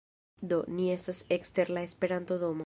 Do, ni estas ekster la Esperanto-domo